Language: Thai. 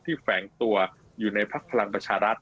แฝงตัวอยู่ในภักดิ์พลังประชารัฐ